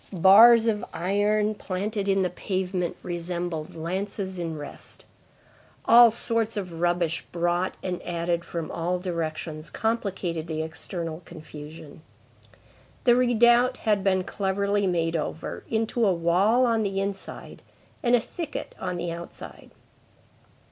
Bars of iron planted in the pavement resembled lances in rest. All sorts of rubbish brought and added from all directions complicated the external confusion. The redoubt had been cleverly made over, into a wall on the inside and a thicket on the outside.